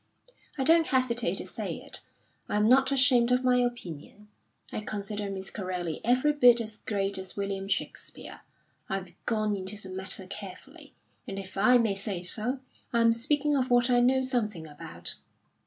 I don't hesitate to say it, I'm not ashamed of my opinion; I consider Miss Corelli every bit as great as William Shakespeare. I've gone into the matter carefully, and if I may say so, I'm speaking of what I know something about.